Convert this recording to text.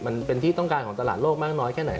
มันเป็นที่ต้องการของตลาดโลกมากน้อยแค่ไหน